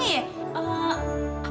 gimana jarang ya